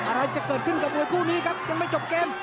อะไรจะเกิดขึ้นกับมวยคู่นี้ครับยังไม่จบเกม